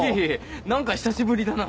何か久しぶりだな。